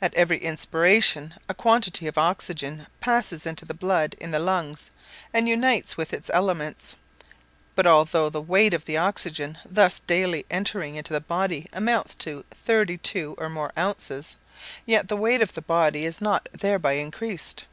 At every inspiration a quantity of oxygen passes into the blood in the lungs, and unites with its elements; but although the weight of the oxygen thus daily entering into the body amounts to 32 or more ounces, yet the weight of the body is not thereby increased.